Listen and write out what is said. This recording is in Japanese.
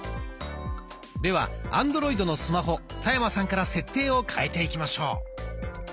ではアンドロイドのスマホ田山さんから設定を変えていきましょう。